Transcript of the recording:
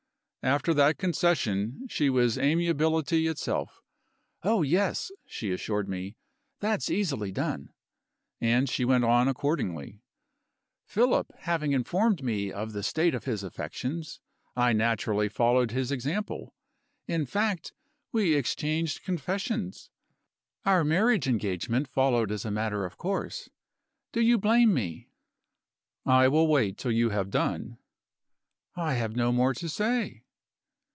After that concession, she was amiability itself. "Oh, yes," she assured me, "that's easily done." And she went on accordingly: "Philip having informed me of the state of his affections, I naturally followed his example. In fact, we exchanged confessions. Our marriage engagement followed as a matter of course. Do you blame me?" "I will wait till you have done." "I have no more to say."